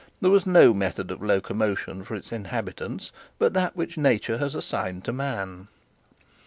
There was no method of locomotion for its inhabitants but that which nature had assigned to man.